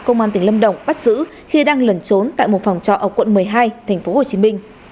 công an tỉnh lâm đồng bắt giữ khi đang lẩn trốn tại một phòng trọ ở quận một mươi hai tp hcm